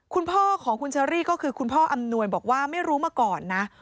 คุณพ่อของคุณเชอรี่ก็คือคุณพ่ออำนวยบอกว่าไม่รู้มาก่อนนะ